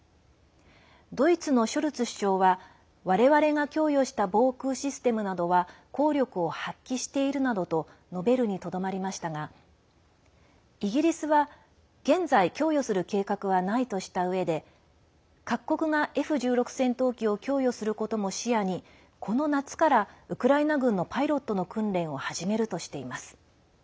ドイツのショルツ首相は我々が供与した防空システムなどは効力を発揮しているなどと述べるにとどまりましたがイギリスは現在、供与する計画はないとしたうえで各国がＦ１６戦闘機を供与することも視野にこの夏からウクライナ軍のパイロットの訓練を始めるとしています。